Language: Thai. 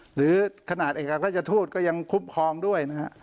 หรือขนาดเอกการตราชทูตก็ยังควบคลองด้วยนะครับ